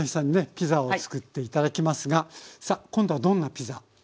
ピザをつくって頂きますがさあ今度はどんなピザでしょうか？